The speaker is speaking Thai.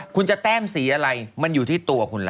คุณจะแต้มสีอะไรมันอยู่ที่ตัวคุณล่ะ